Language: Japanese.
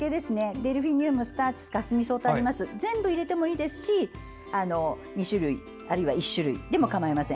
デルフィニウムスターチス、カスミソウとありますが全部入れてもいいですし２種類、あるいは１種類でも構いません。